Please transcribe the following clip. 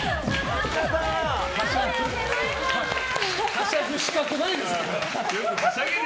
はしゃぐ資格ないですから。